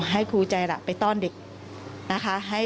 ให้ครูใจละไปต้อนเด็ก